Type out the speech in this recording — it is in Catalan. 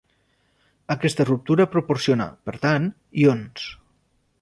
Aquesta ruptura proporciona, per tant, ions.